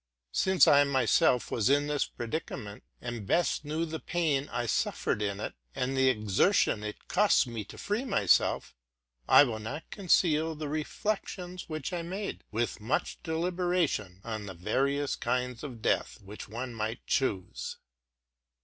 Having myself been in this predicament, and having known best the pain I then suf fered, and the exertion it cost me to free myself, I will not conceal the reflections I made with much deliberation on the various kinds of death one might choose.